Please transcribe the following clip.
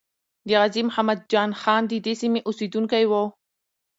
د غازی محمد جان خان ددې سیمې اسیدونکی وو.